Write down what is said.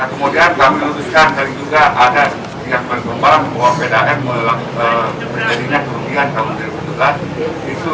nah kemudian kami luluskan hari juga ada yang bergombang bahwa pdam menjadinya kemudian tahun dua ribu dua belas